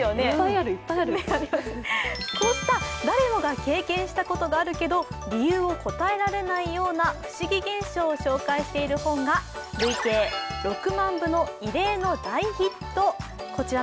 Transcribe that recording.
こうした誰もが経験したことがあるけど理由を答えられないようなふしぎ現象を紹介している本が累計６万部の異例の大ヒット。